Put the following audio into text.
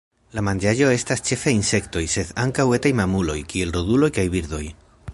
La manĝaĵo estas ĉefe insektoj, sed ankaŭ etaj mamuloj, kiel roduloj kaj birdoj.